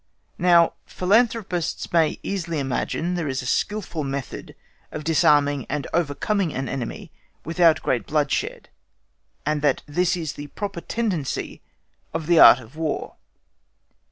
Now, philanthropists may easily imagine there is a skilful method of disarming and overcoming an enemy without great bloodshed, and that this is the proper tendency of the Art of War.